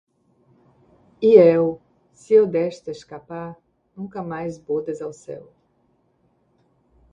léu, Se eu desta escapar, Nunca mais bodas ao céu...”